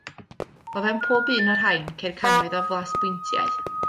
O fewn pob un o'r rhain ceir cannoedd o flasbwyntiau.